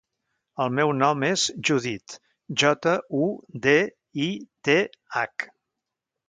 El meu nom és Judith: jota, u, de, i, te, hac.